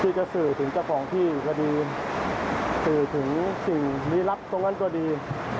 จะสื่อถึงเจ้าของที่ก็ดีสื่อถึงสิ่งลี้ลับตรงนั้นก็ดี